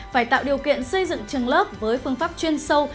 phải tạo điều kiện xây dựng trường lớp với phương pháp chuyên sâu